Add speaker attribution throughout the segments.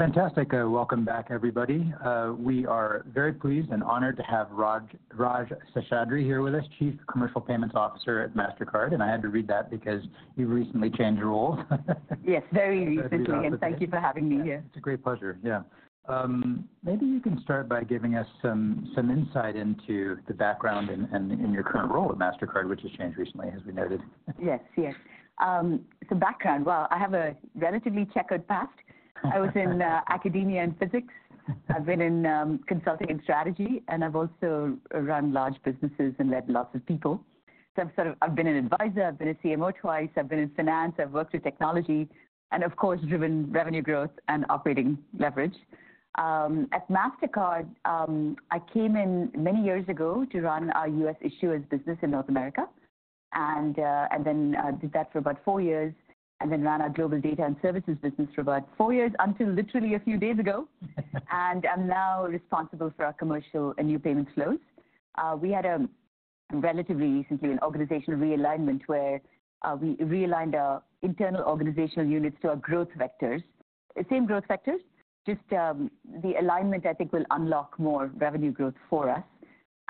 Speaker 1: Fantastic! Welcome back, everybody. We are very pleased and honored to have Raj, Raj Seshadri here with us, Chief Commercial Payments Officer at Mastercard, and I had to read that because you recently changed roles.
Speaker 2: Yes, very recently, and thank you for having me here.
Speaker 1: It's a great pleasure. Yeah. Maybe you can start by giving us some insight into the background and your current role at Mastercard, which has changed recently, as we noted.
Speaker 2: Yes, yes. So background. Well, I have a relatively checkered past. I was in academia and physics. I've been in consulting and strategy, and I've also run large businesses and led lots of people. So I've sort of I've been an advisor, I've been a CMO twice, I've been in finance, I've worked with technology, and of course, driven revenue growth and operating leverage. At Mastercard, I came in many years ago to run our U.S. issuers business in North America, and then did that for about four years and then ran our global Data and Services business for about four years, until literally a few days ago. And I'm now responsible for our Commercial and New Payment Flows. We had a relatively recently an organizational realignment where we realigned our internal organizational units to our growth vectors. The same growth vectors, just, the alignment, I think, will unlock more revenue growth for us.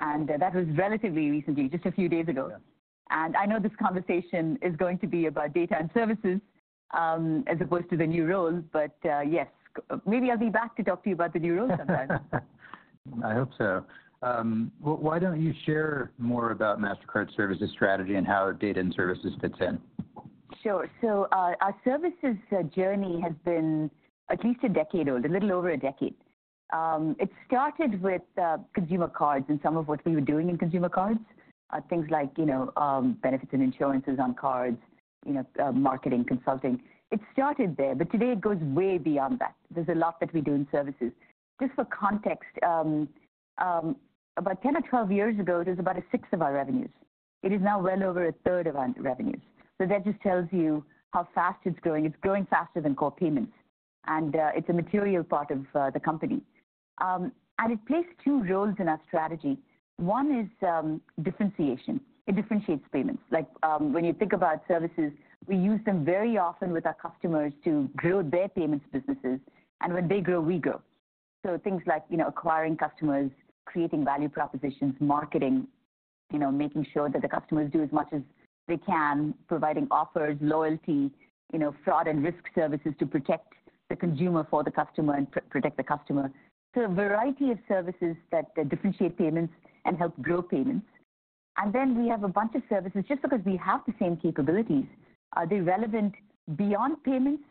Speaker 2: That was relatively recently, just a few days ago.
Speaker 1: Yeah.
Speaker 2: And I know this conversation is going to be about Data and Services, as opposed to the new role, but, yes. Maybe I'll be back to talk to you about the new role sometime.
Speaker 1: I hope so. Why don't you share more about Mastercard services strategy and how Data and Services fits in?
Speaker 2: Sure. So, our services journey has been at least a decade old, a little over a decade. It started with consumer cards and some of what we were doing in consumer cards. Things like, you know, benefits and insurances on cards, you know, marketing, consulting. It started there, but today it goes way beyond that. There's a lot that we do in services. Just for context, about 10 or 12 years ago, it was about a sixth of our revenues. It is now well over a third of our revenues. So that just tells you how fast it's growing. It's growing faster than core payments, and it's a material part of the company. And it plays two roles in our strategy. One is differentiation. It differentiates payments. Like, when you think about services, we use them very often with our customers to grow their payments businesses, and when they grow, we grow. So things like, you know, acquiring customers, creating value propositions, marketing, you know, making sure that the customers do as much as they can, providing offers, loyalty, you know, fraud and risk services to protect the consumer for the customer and protect the customer. So a variety of services that differentiate payments and help grow payments. And then we have a bunch of services, just because we have the same capabilities, are they relevant beyond payments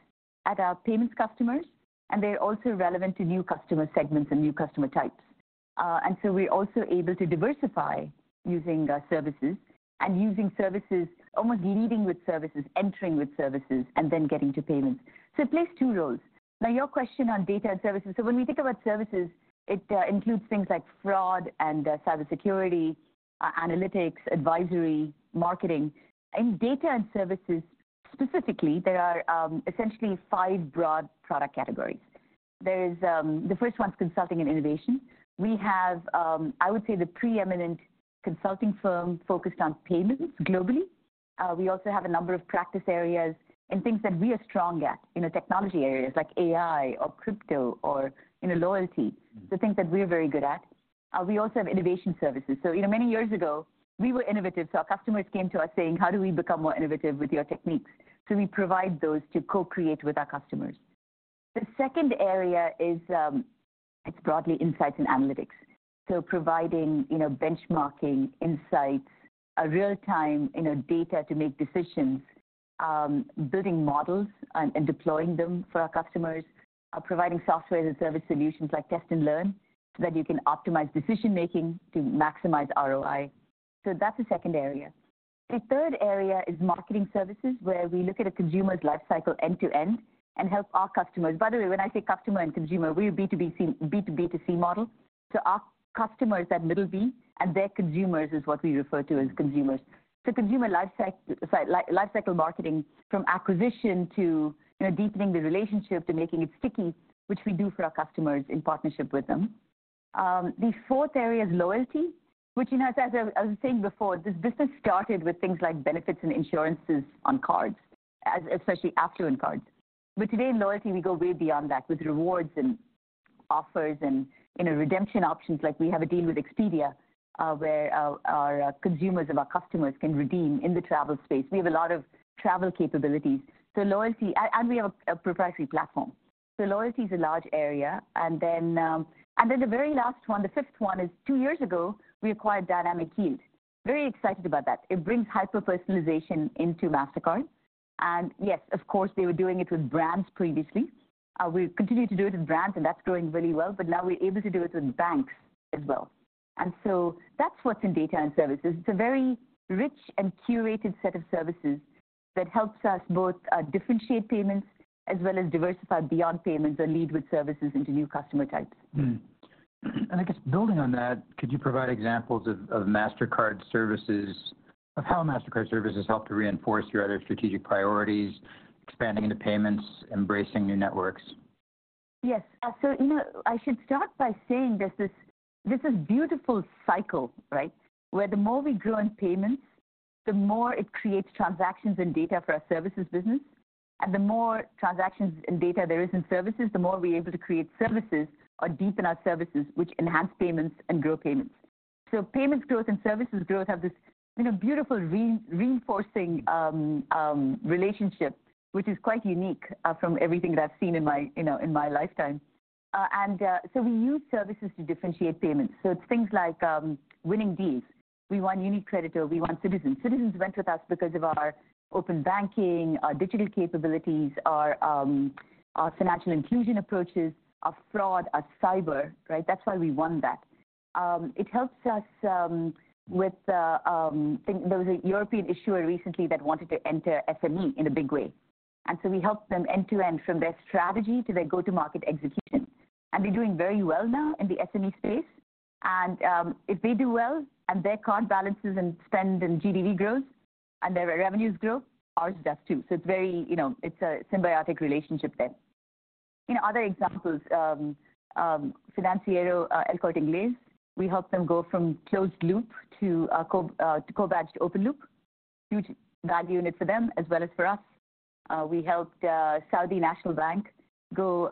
Speaker 2: at our payments customers, and they're also relevant to new customer segments and new customer types. And so we're also able to diversify using our services and using services, almost leading with services, entering with services, and then getting to payments. So it plays two roles. Now, your question on data and services. So when we think about services, it includes things like fraud and cybersecurity, analytics, advisory, marketing. In data and services, specifically, there are essentially five broad product categories. There's... The first one's consulting and innovation. We have, I would say, the preeminent consulting firm focused on payments globally. We also have a number of practice areas in things that we are strong at, in the technology areas like AI or crypto or, you know, loyalty-
Speaker 1: Mm.
Speaker 2: the things that we are very good at. We also have innovation services. So, you know, many years ago, we were innovative, so our customers came to us saying: "How do we become more innovative with your techniques?" So we provide those to co-create with our customers. The second area is, it's broadly insights and analytics. So providing, you know, benchmarking insights, real-time, you know, data to make decisions, building models and deploying them for our customers, providing software and service solutions like Test & Learn, so that you can optimize decision-making to maximize ROI. So that's the second area. The third area is marketing services, where we look at a consumer's life cycle end to end and help our customers. By the way, when I say customer and consumer, we're B2B, B2C, B2B2C model. So our customer is that middle B, and their consumers is what we refer to as consumers. So consumer lifecycle marketing, from acquisition to, you know, deepening the relationship to making it sticky, which we do for our customers in partnership with them. The fourth area is loyalty, which, you know, as I was saying before, this business started with things like benefits and insurances on cards, as especially affluent cards. But today in loyalty, we go way beyond that with rewards and offers and, you know, redemption options. Like we have a deal with Expedia, where our consumers of our customers can redeem in the travel space. We have a lot of travel capabilities. So loyalty... and we have a proprietary platform. So loyalty is a large area. And then, and then the very last one, the fifth one is, two years ago, we acquired Dynamic Yield. Very excited about that. It brings hyper-personalization into Mastercard. And yes, of course, they were doing it with brands previously. We continue to do it with brands, and that's growing really well, but now we're able to do it with banks as well. And so that's what's in data and services. It's a very rich and curated set of services that helps us both, differentiate payments as well as diversify beyond payments or lead with services into new customer types.
Speaker 1: I guess building on that, could you provide examples of Mastercard services, of how Mastercard services help to reinforce your other strategic priorities, expanding into payments, embracing new networks?
Speaker 2: Yes. So, you know, I should start by saying this is beautiful cycle, right? Where the more we grow in payments, the more it creates transactions and data for our services business. And the more transactions and data there is in services, the more we're able to create services or deepen our services, which enhance payments and grow payments. So payments growth and services growth have this, in a beautiful reinforcing relationship, which is quite unique from everything that I've seen in my, you know, in my lifetime. And so we use services to differentiate payments. So it's things like winning deals. We won UniCredit, or we won Citizens. Citizens went with us because of our open banking, our digital capabilities, our financial inclusion approaches, our fraud, our cyber, right? That's why we won that. It helps us with the, I think there was a European issuer recently that wanted to enter SME in a big way, and so we helped them end-to-end from their strategy to their go-to-market execution. They're doing very well now in the SME space, and if they do well and their card balances and spend and GDV grows, and their revenues grow, ours does, too. It's very, you know, a symbiotic relationship there. You know, other examples, Financiera El Corte Inglés, we helped them go from closed loop to co-badged open loop. Huge value-add for them as well as for us. We helped Saudi National Bank go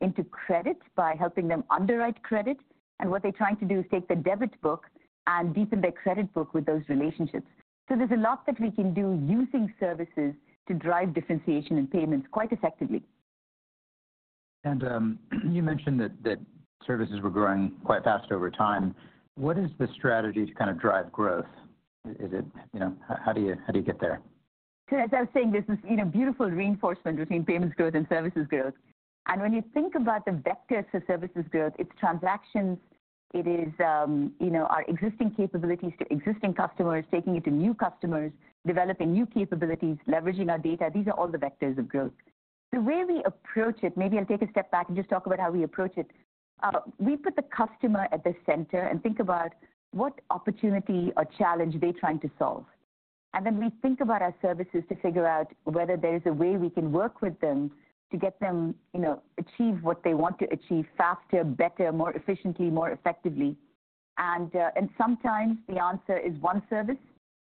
Speaker 2: into credit by helping them underwrite credit. What they're trying to do is take the debit book and deepen their credit book with those relationships. There's a lot that we can do using services to drive differentiation and payments quite effectively.
Speaker 1: You mentioned that, that services were growing quite fast over time. What is the strategy to kind of drive growth? Is it, you know, how do you, how do you get there?
Speaker 2: So as I was saying, this is, you know, beautiful reinforcement between payments growth and services growth. And when you think about the vectors for services growth, it's transactions, it is, you know, our existing capabilities to existing customers, taking it to new customers, developing new capabilities, leveraging our data. These are all the vectors of growth. The way we approach it, maybe I'll take a step back and just talk about how we approach it. We put the customer at the center and think about what opportunity or challenge they're trying to solve. And then we think about our services to figure out whether there is a way we can work with them to get them, you know, achieve what they want to achieve faster, better, more efficiently, more effectively. And sometimes the answer is one service,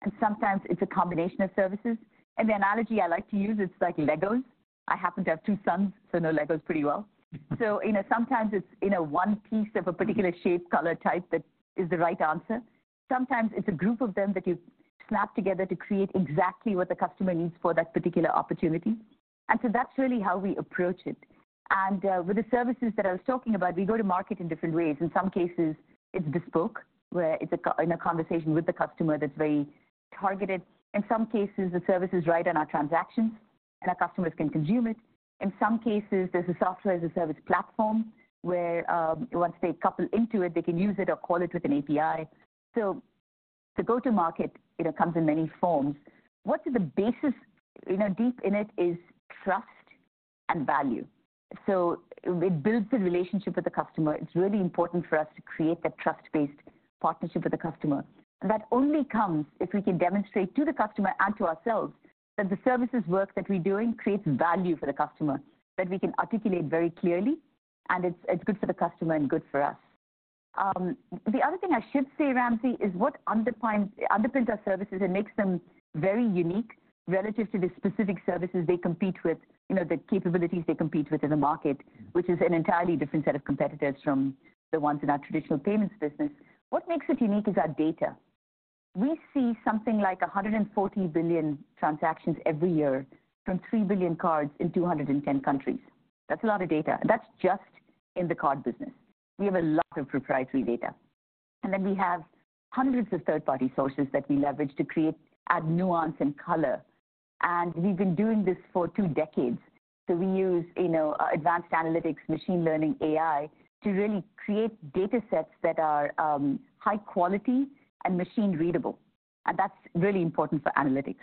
Speaker 2: and sometimes it's a combination of services. And the analogy I like to use is like Legos. I happen to have two sons, so know Legos pretty well. So, you know, sometimes it's, you know, one piece of a particular shape, color, type that is the right answer. Sometimes it's a group of them that you snap together to create exactly what the customer needs for that particular opportunity. And so that's really how we approach it. And, with the services that I was talking about, we go to market in different ways. In some cases, it's bespoke, where it's a co- in a conversation with the customer that's very targeted. In some cases, the service is right on our transactions, and our customers can consume it. In some cases, there's a software as a service platform where, once they couple into it, they can use it or call it with an API. So the go-to market, you know, comes in many forms. What is the basis? You know, deep in it is trust and value. So we build the relationship with the customer. It's really important for us to create that trust-based partnership with the customer. That only comes if we can demonstrate to the customer and to ourselves that the services work that we're doing creates value for the customer, that we can articulate very clearly, and it's good for the customer and good for us. The other thing I should say, Ramsey, is what underpins our services and makes them very unique relative to the specific services they compete with, you know, the capabilities they compete with in the market, which is an entirely different set of competitors from the ones in our traditional payments business. What makes it unique is our data. We see something like 140 billion transactions every year from 3 billion cards in 210 countries. That's a lot of data, and that's just in the card business. We have a lot of proprietary data. And then we have hundreds of third-party sources that we leverage to create, add nuance and color. And we've been doing this for two decades. So we use, you know, advanced analytics, machine learning, AI, to really create data sets that are, high quality and machine readable, and that's really important for analytics.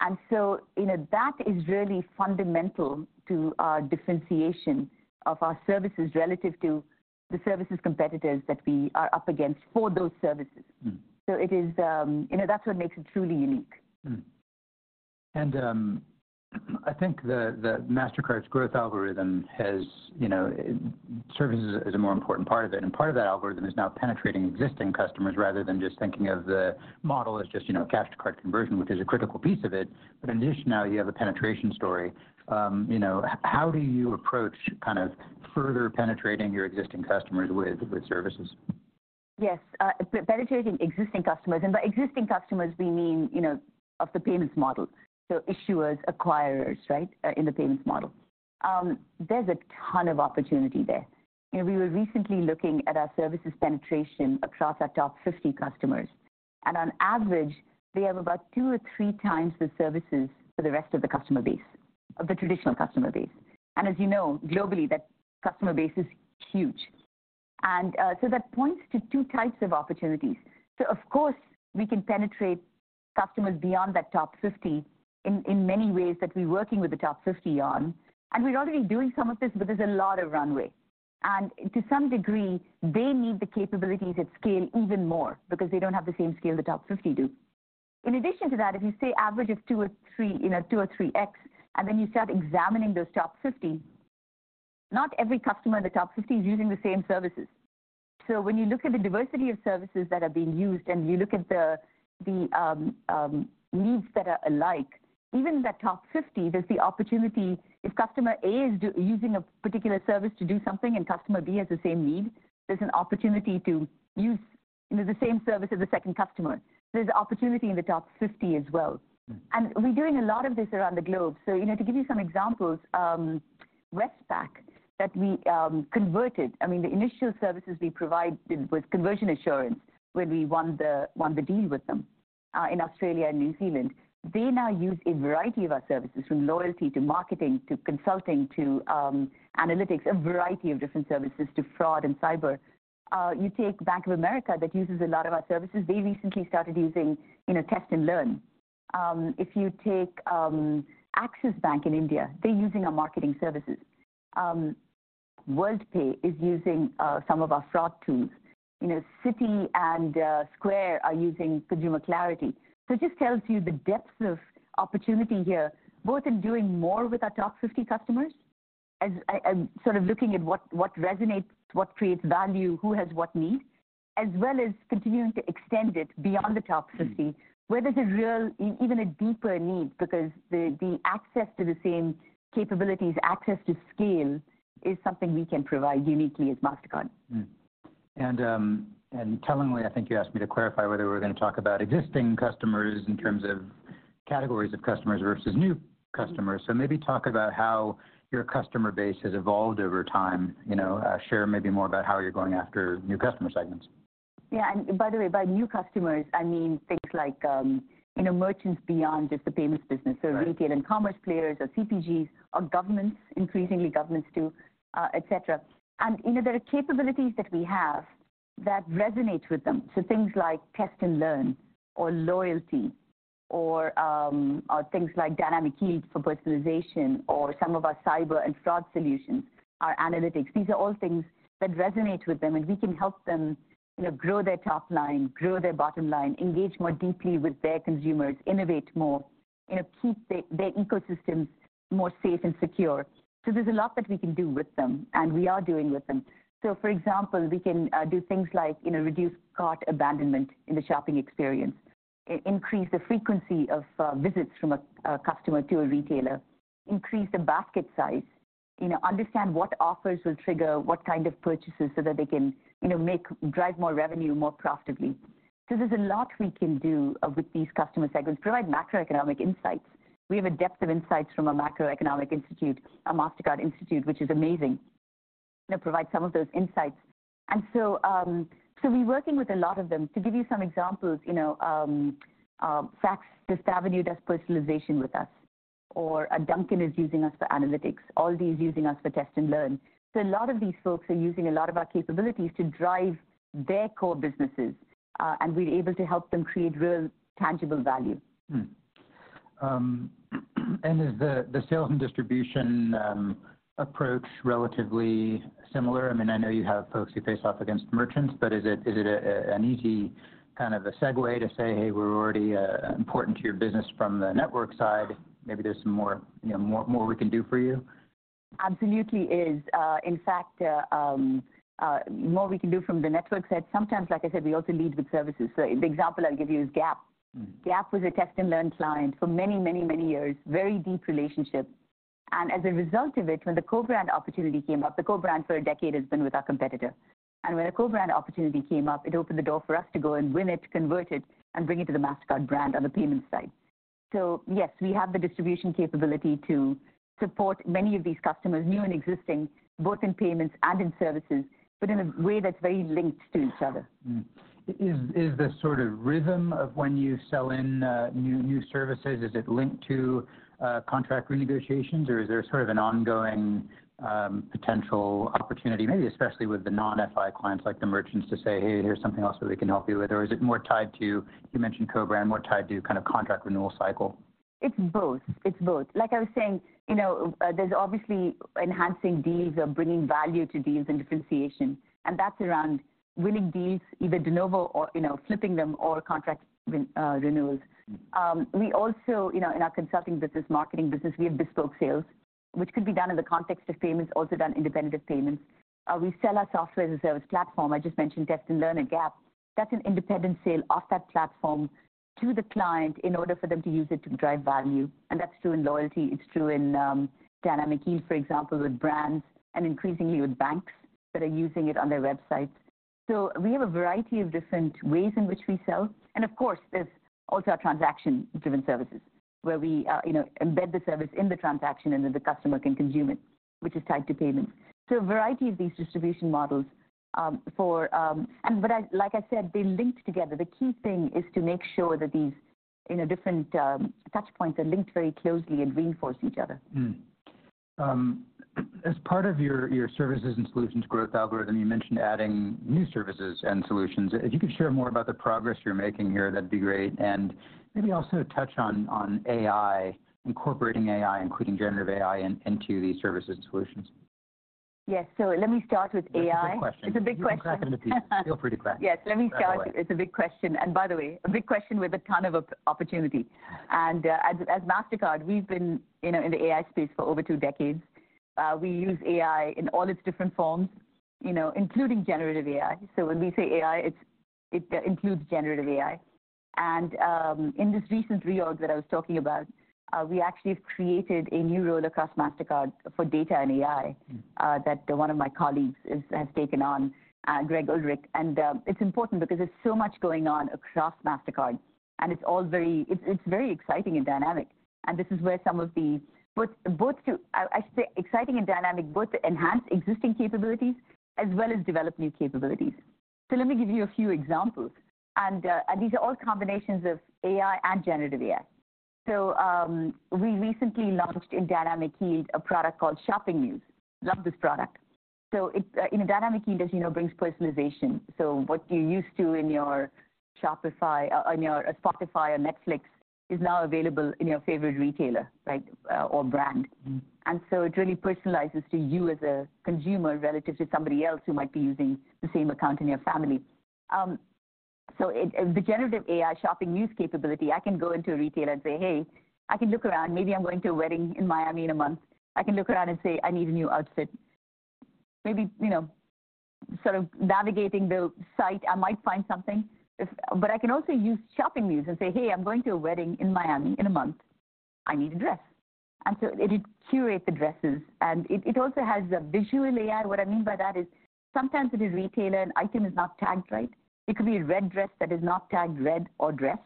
Speaker 2: And so, you know, that is really fundamental to our differentiation of our services relative to the services competitors that we are up against for those services.
Speaker 1: Mm.
Speaker 2: So it is, you know, that's what makes it truly unique.
Speaker 1: Mm-hmm. And, I think the Mastercard's growth algorithm has, you know, services is a more important part of it. And part of that algorithm is now penetrating existing customers rather than just thinking of the model as just, you know, cash to card conversion, which is a critical piece of it. But in addition, now you have a penetration story. You know, how do you approach kind of further penetrating your existing customers with services?
Speaker 2: Yes, penetrating existing customers, and by existing customers, we mean, you know, of the payments model. So issuers, acquirers, right, in the payments model. There's a ton of opportunity there. You know, we were recently looking at our services penetration across our top 50 customers, and on average, they have about two or three times the services for the rest of the customer base, of the traditional customer base. And, so that points to two types of opportunities. So of course, we can penetrate customers beyond that top 50 in many ways that we're working with the top 50 on, and we're already doing some of this, but there's a lot of runway. To some degree, they need the capabilities at scale even more because they don't have the same scale the top 50 do. In addition to that, if you say average is two or three, you know, two or three x, and then you start examining those top 50, not every customer in the top 50 is using the same services. So when you look at the diversity of services that are being used, and you look at the needs that are alike, even in the top 50, there's the opportunity, if customer A is using a particular service to do something, and customer B has the same need, there's an opportunity to use, you know, the same service as the second customer. There's opportunity in the top 50 as well.
Speaker 1: Mm.
Speaker 2: We're doing a lot of this around the globe. So, you know, to give you some examples, Westpac, that we, converted. I mean, the initial services we provided was conversion assurance, when we won the deal with them, in Australia and New Zealand. They now use a variety of our services, from loyalty to marketing, to consulting, to, analytics, a variety of different services, to fraud and cyber. You take Bank of America, that uses a lot of our services; they recently started using, you know, Test & Learn. If you take, Axis Bank in India, they're using our marketing services. Worldpay is using, some of our fraud tools. You know, Citi and, Square are using Consumer Clarity. So it just tells you the depth of opportunity here, both in doing more with our top 50 customers, and sort of looking at what, what resonates, what creates value, who has what needs, as well as continuing to extend it beyond the top 50-
Speaker 1: Mm
Speaker 2: where there's a real, even a deeper need. Because the access to the same capabilities, access to scale, is something we can provide uniquely as Mastercard.
Speaker 1: And tellingly, I think you asked me to clarify whether we're gonna talk about existing customers in terms of categories of customers versus new customers.
Speaker 2: Mm.
Speaker 1: So maybe talk about how your customer base has evolved over time. You know, share maybe more about how you're going after new customer segments.
Speaker 2: Yeah, and by the way, by new customers, I mean things like, you know, merchants beyond just the payments business-
Speaker 1: Right
Speaker 2: So retail and commerce players or CPGs or governments, increasingly governments, too, et cetera. And, you know, there are capabilities that we have that resonate with them, so things like Test & Learn or loyalty or, or things like Dynamic Yield for personalization or some of our cyber and fraud solutions, our analytics. These are all things that resonate with them, and we can help them, you know, grow their top line, grow their bottom line, engage more deeply with their consumers, innovate more, you know, keep their ecosystems more safe and secure. So there's a lot that we can do with them, and we are doing with them. So for example, we can do things like, you know, reduce cart abandonment in the shopping experience, increase the frequency of visits from a customer to a retailer, increase the basket size. You know, understand what offers will trigger what kind of purchases so that they can, you know, make drive more revenue more profitably. So there's a lot we can do with these customer segments. Provide macroeconomic insights. We have a depth of insights from a macroeconomic institute, a Mastercard institute, which is amazing, and provide some of those insights. And so, so we're working with a lot of them. To give you some examples, you know, Saks Fifth Avenue does personalization with us, or, Dunkin' is using us for analytics. ALDI is using us for Test & Learn. So a lot of these folks are using a lot of our capabilities to drive their core businesses, and we're able to help them create real, tangible value.
Speaker 1: Is the sales and distribution approach relatively similar? I mean, I know you have folks who face off against merchants, but is it an easy kind of a segue to say, "Hey, we're already important to your business from the network side, maybe there's some more, you know, more we can do for you?
Speaker 2: Absolutely is. In fact, more we can do from the network side. Sometimes, like I said, we also lead with services. So the example I'll give you is Gap.
Speaker 1: Mm.
Speaker 2: Gap was a Test & Learn client for many, many, many years, very deep relationship. And as a result of it, when the co-brand opportunity came up, the co-brand for a decade has been with our competitor. And when a co-brand opportunity came up, it opened the door for us to go and win it, convert it, and bring it to the Mastercard brand on the payments side. So yes, we have the distribution capability to support many of these customers, new and existing, both in payments and in services, but in a way that's very linked to each other.
Speaker 1: Is, is the sort of rhythm of when you sell in new, new services, is it linked to, contract renegotiations? Or is there sort of an ongoing, potential opportunity, maybe especially with the non-FI clients, like the merchants, to say, "Hey, here's something else that we can help you with"? Or is it more tied to, you mentioned co-brand, more tied to kind of contract renewal cycle?
Speaker 2: It's both, it's both. Like I was saying, you know, there's obviously enhancing deals or bringing value to deals and differentiation, and that's around winning deals, either de novo or, you know, flipping them or contract renewals.
Speaker 1: Mm.
Speaker 2: We also, you know, in our consulting business, marketing business, we have bespoke sales, which could be done in the context of payments, also done independent of payments. We sell our software-as-a-service platform. I just mentioned Test & Learn at Gap. That's an independent sale of that platform to the client in order for them to use it to drive value, and that's true in loyalty. It's true in Dynamic Yield, for example, with brands and increasingly with banks that are using it on their websites. So we have a variety of different ways in which we sell. And of course, there's also our transaction-driven services, where we embed the service in the transaction, and then the customer can consume it, which is tied to payments. So a variety of these distribution models. Like I said, they're linked together. The key thing is to make sure that these, you know, different touchpoints are linked very closely and reinforce each other.
Speaker 1: As part of your, your services and solutions growth algorithm, you mentioned adding new services and solutions. If you could share more about the progress you're making here, that'd be great, and maybe also touch on, on AI, incorporating AI, including generative AI, in, into these services and solutions.
Speaker 2: Yes. Let me start with AI.
Speaker 1: It's a big question.
Speaker 2: It's a big question.
Speaker 1: Feel free to crack it.
Speaker 2: Yes.
Speaker 1: That's all right.
Speaker 2: Let me start. It's a big question, and by the way, a big question with a ton of opportunity. As Mastercard, we've been, you know, in the AI space for over two decades. We use AI in all its different forms, you know, including generative AI. So when we say AI, it includes generative AI. In this recent reorg that I was talking about, we actually have created a new role across Mastercard for data and AI, that one of my colleagues has taken on, Greg Ulrich. It's important because there's so much going on across Mastercard, and it's all very exciting and dynamic. This is where some of the exciting and dynamic, both to enhance existing capabilities as well as develop new capabilities. So let me give you a few examples, and, and these are all combinations of AI and generative AI. So, we recently launched in Dynamic Yield, a product called Shopping Muse. Love this product! So it, in Dynamic Yield, as you know, brings personalization. So what you're used to in your Shopify, in your Spotify or Netflix, is now available in your favorite retailer, right, or brand. And so it really personalizes to you as a consumer, relative to somebody else who might be using the same account in your family. So the generative AI Shopping Muse capability, I can go into a retailer and say, "Hey," I can look around. Maybe I'm going to a wedding in Miami in a month. I can look around and say, "I need a new outfit." Maybe, you know, sort of navigating the site, I might find something. But I can also use Shopping Muse and say, "Hey, I'm going to a wedding in Miami in a month. I need a dress." And so it, it curates the dresses, and it, it also has a visual AI. What I mean by that is, sometimes with a retailer, an item is not tagged right. It could be a red dress that is not tagged "red" or "dress."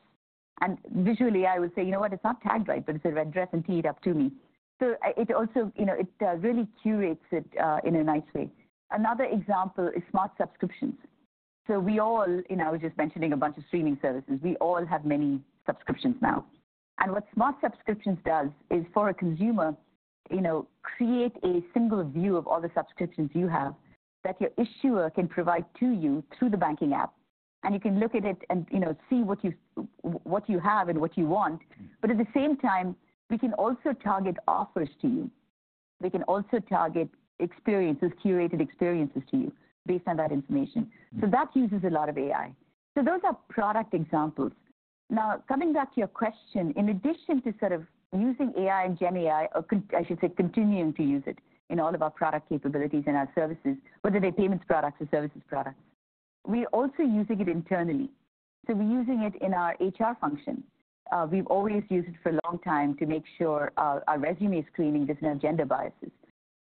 Speaker 2: And visually, I would say, "You know what? It's not tagged right, but it's a red dress," and tee it up to me. So it also, you know, it really curates it in a nice way. Another example is Smart Subscriptions. So we all, you know, I was just mentioning a bunch of streaming services. We all have many subscriptions now. What Smart Subscriptions does is for a consumer, you know, create a single view of all the subscriptions you have, that your issuer can provide to you through the banking app. You can look at it and, you know, see what you have and what you want. But at the same time, we can also target offers to you. We can also target experiences, curated experiences to you, based on that information. So that uses a lot of AI. Those are product examples. Now, coming back to your question, in addition to sort of using AI and GenAI, or con- I should say, continuing to use it in all of our product capabilities and our services, whether they're payments products or services products, we're also using it internally. We're using it in our HR function. We've always used it for a long time to make sure our resume screening doesn't have gender biases.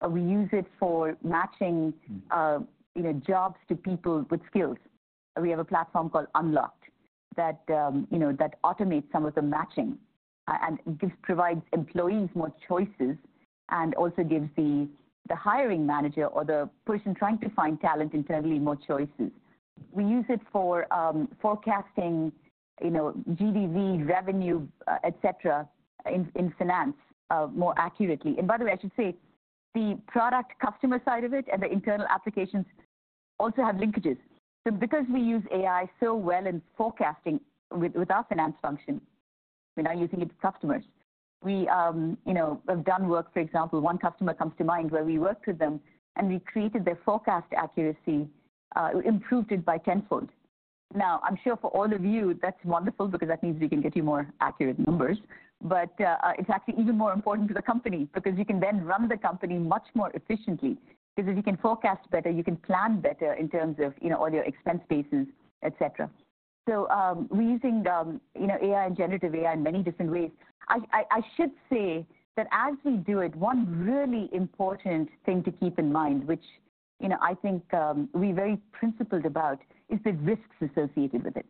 Speaker 2: We use it for matching, you know, jobs to people with skills. We have a platform called Unlocked that, you know, that automates some of the matching, and gives, provides employees more choices and also gives the hiring manager or the person trying to find talent internally, more choices. We use it for forecasting, you know, GDV, revenue, et cetera, in finance more accurately. And by the way, I should say, the product customer side of it and the internal applications also have linkages. So because we use AI so well in forecasting with our finance function, we're now using it with customers. We, you know, have done work, for example, one customer comes to mind where we worked with them, and we created their forecast accuracy, improved it by tenfold. Now, I'm sure for all of you, that's wonderful because that means we can get you more accurate numbers. But, it's actually even more important to the company, because you can then run the company much more efficiently. Because if you can forecast better, you can plan better in terms of, you know, all your expense bases, et cetera. So, we're using, you know, AI and generative AI in many different ways. I should say that as we do it, one really important thing to keep in mind, which, you know, I think, we're very principled about, is the risks associated with it.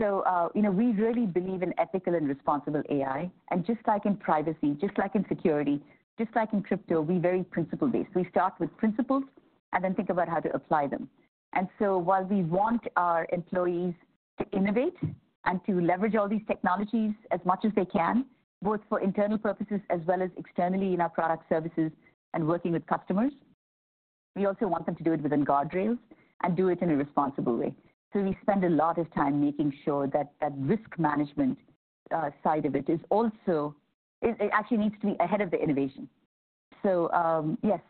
Speaker 2: So, you know, we really believe in ethical and responsible AI. And just like in privacy, just like in security, just like in crypto, we're very principle-based. We start with principles and then think about how to apply them. And so while we want our employees to innovate and to leverage all these technologies as much as they can, both for internal purposes as well as externally in our product services and working with customers, we also want them to do it within guardrails and do it in a responsible way. So we spend a lot of time making sure that that risk management side of it is also, it actually needs to be ahead of the innovation. So, yes,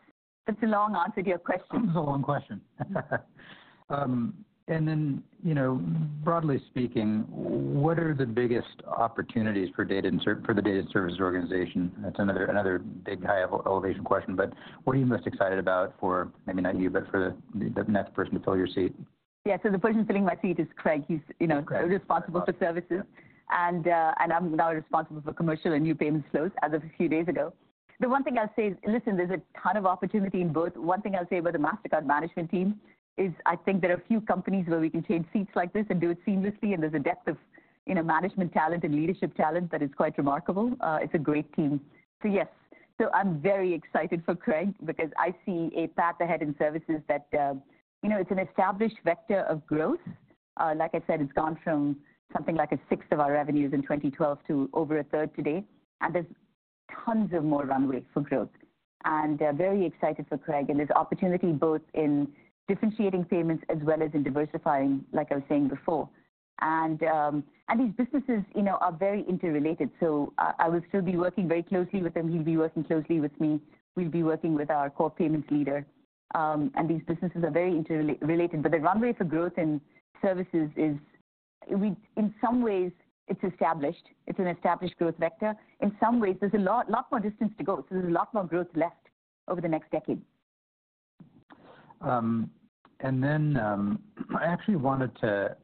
Speaker 2: that's a long answer to your question.
Speaker 1: It's a long question. And then, you know, broadly speaking, what are the biggest opportunities for data and—for the data and services organization? That's another, another big, high elevation question, but what are you most excited about for, maybe not you, but for the, the next person to fill your seat?
Speaker 2: Yeah, so the person filling my seat is Craig. He's, you know-
Speaker 1: Craig
Speaker 2: responsible for services. And, and I'm now responsible for commercial and new payments flows as of a few days ago. The one thing I'll say is, listen, there's a ton of opportunity in both. One thing I'll say about the Mastercard management team is, I think there are few companies where we can change seats like this and do it seamlessly, and there's a depth of, you know, management talent and leadership talent that is quite remarkable. It's a great team. So, yes, so I'm very excited for Craig because I see a path ahead in services that, you know, it's an established vector of growth. Like I said, it's gone from something like a sixth of our revenues in 2012 to over a third today, and there's tons of more runway for growth. I'm very excited for Craig, and there's opportunity both in differentiating payments as well as in diversifying, like I was saying before. These businesses, you know, are very interrelated, so I will still be working very closely with him, he'll be working closely with me. We'll be working with our core payments leader. These businesses are very interrelated, but the runway for growth in services is... In some ways, it's established. It's an established growth vector. In some ways, there's a lot more distance to go, so there's a lot more growth left over the next decade.
Speaker 1: And then, I actually wanted to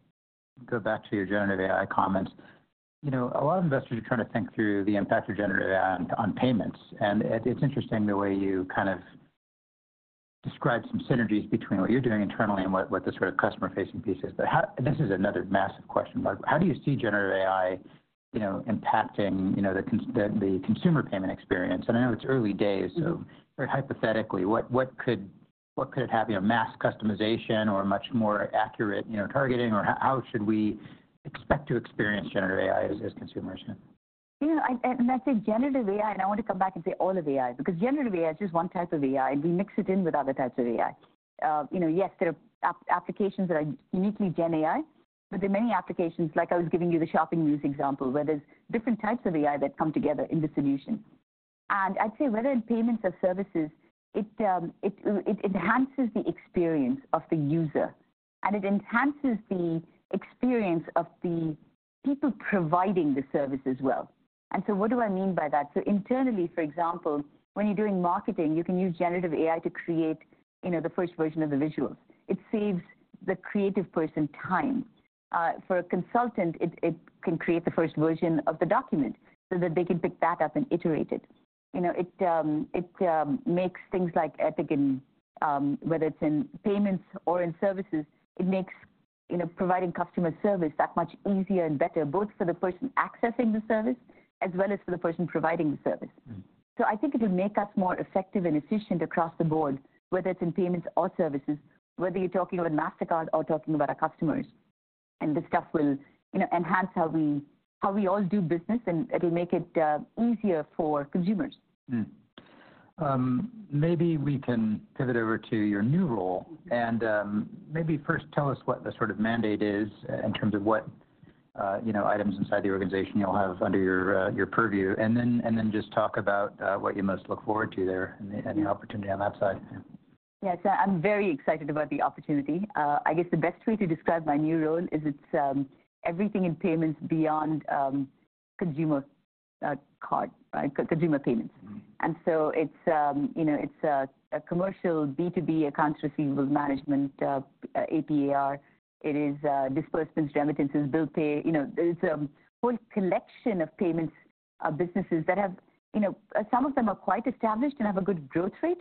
Speaker 1: go back to your generative AI comments. You know, a lot of investors are trying to think through the impact of generative AI on payments. And it's interesting the way you kind of described some synergies between what you're doing internally and what the sort of customer-facing piece is. But how—this is another massive question, but how do you see generative AI, you know, impacting, you know, the consumer payment experience? And I know it's early days, so very hypothetically, what could happen? You know, mass customization or much more accurate, you know, targeting or how should we expect to experience generative AI as consumers?
Speaker 2: You know, I, and I say generative AI, and I want to come back and say all of AI, because generative AI is just one type of AI, and we mix it in with other types of AI. You know, yes, there are applications that are uniquely gen AI, but there are many applications, like I was giving you the Shopping Muse example, where there's different types of AI that come together in the solution. And I'd say whether in payments or services, it, it enhances the experience of the user, and it enhances the experience of the people providing the service as well. And so what do I mean by that? So internally, for example, when you're doing marketing, you can use generative AI to create, you know, the first version of the visual. It saves the creative person time. For a consultant, it can create the first version of the document so that they can pick that up and iterate it. You know, it makes things like Epic and whether it's in payments or in services, it makes, you know, providing customer service that much easier and better, both for the person accessing the service as well as for the person providing the service.
Speaker 1: Mm-hmm.
Speaker 2: I think it'll make us more effective and efficient across the board, whether it's in payments or services, whether you're talking about Mastercard or talking about our customers. This stuff will, you know, enhance how we all do business, and it'll make it easier for consumers.
Speaker 1: Mm-hmm. Maybe we can pivot over to your new role and, maybe first, tell us what the sort of mandate is in terms of what, you know, items inside the organization you'll have under your purview. And then, just talk about what you most look forward to there and the opportunity on that side.
Speaker 2: Yes, I'm very excited about the opportunity. I guess the best way to describe my new role is it's everything in payments beyond consumer card, right, consumer payments.
Speaker 1: Mm-hmm.
Speaker 2: And so it's, you know, it's a commercial B2B accounts receivable management, AP/AR. It is disbursements, remittances, bill pay. You know, there's a whole collection of payments, businesses that have, you know, some of them are quite established and have a good growth rate.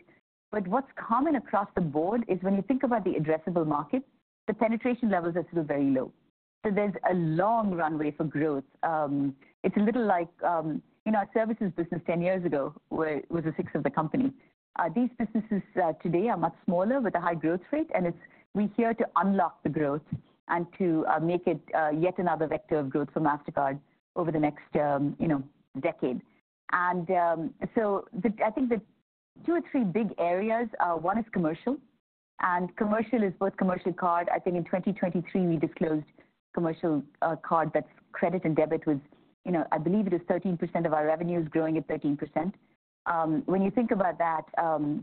Speaker 2: But what's common across the board is when you think about the addressable markets, the penetration levels are still very low. So there's a long runway for growth. It's a little like, you know, our services business 10 years ago, where it was a sixth of the company. These businesses today are much smaller with a high growth rate, and it's, we're here to unlock the growth and to make it yet another vector of growth for Mastercard over the next, you know, decade. I think the two or three big areas are, one is commercial, and commercial is both commercial card. I think in 2023, we disclosed commercial card, that's credit and debit, was, you know, I believe it is 13% of our revenues, growing at 13%. When you think about that,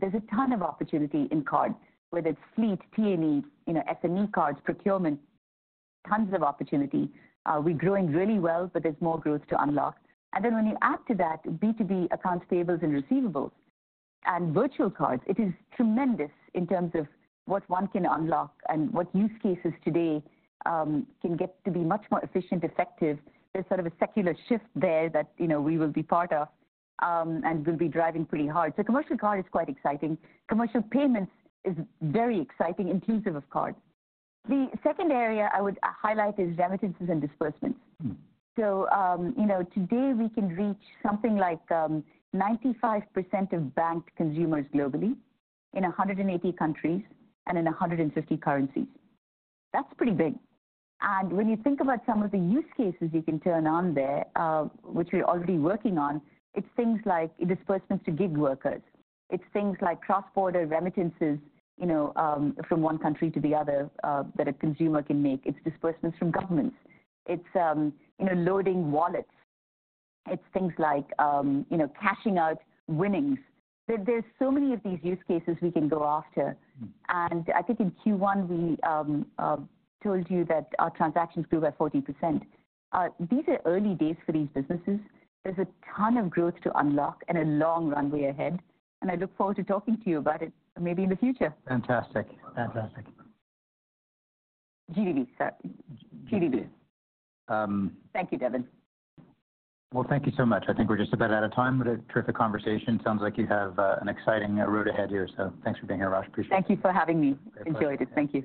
Speaker 2: there's a ton of opportunity in card, whether it's fleet, T&E, you know, SME cards, procurement, tons of opportunity. We're growing really well, but there's more growth to unlock. And then when you add to that B2B accounts payable and receivable and virtual cards, it is tremendous in terms of what one can unlock and what use cases today can get to be much more efficient, effective. There's sort of a secular shift there that, you know, we will be part of, and we'll be driving pretty hard. So commercial card is quite exciting. Commercial payments is very exciting, inclusive of card. The second area I would highlight is remittances and disbursements.
Speaker 1: Mm-hmm.
Speaker 2: So, you know, today we can reach something like 95% of banked consumers globally in 180 countries and in 150 currencies. That's pretty big. And when you think about some of the use cases you can turn on there, which we're already working on, it's things like disbursements to gig workers. It's things like cross-border remittances, you know, from one country to the other, that a consumer can make. It's disbursements from governments. It's you know, loading wallets. It's things like you know, cashing out winnings. There's so many of these use cases we can go after.
Speaker 1: Mm-hmm.
Speaker 2: I think in Q1, we told you that our transactions grew by 40%. These are early days for these businesses. There's a ton of growth to unlock and a long runway ahead, and I look forward to talking to you about it, maybe in the future.
Speaker 1: Fantastic. Fantastic.
Speaker 2: GDV, sir. GDV.
Speaker 1: Um-
Speaker 2: Thank you, Devin.
Speaker 1: Well, thank you so much. I think we're just about out of time, but a terrific conversation. Sounds like you have an exciting road ahead here, so thanks for being here, Raj. Appreciate it.
Speaker 2: Thank you for having me.
Speaker 1: My pleasure.
Speaker 2: Enjoyed it. Thank you.